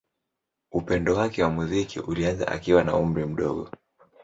Upendo wake wa muziki ulianza akiwa na umri mdogo.